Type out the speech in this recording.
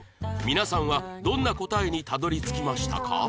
皆さんはどんな答えにたどり着きましたか？